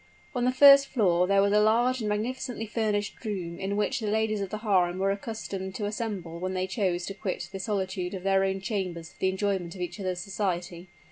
On the first floor there was a large and magnificently furnished room in which the ladies of the harem were accustomed to assemble when they chose to quit the solitude of their own chambers for the enjoyment of each other's society.